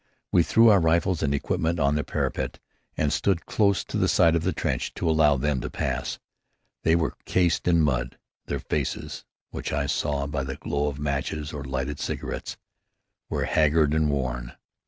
We threw our rifles and equipment on the parapet and stood close to the side of the trench to allow them to pass. They were cased in mud. Their faces, which I saw by the glow of matches or lighted cigarettes, were haggard and worn.